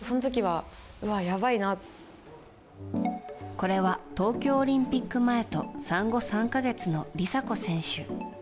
これは東京オリンピック前と産後３か月の梨紗子選手。